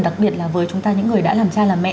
đặc biệt là với chúng ta những người đã làm cha làm mẹ